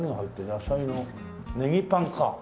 野菜の「葱パン」か！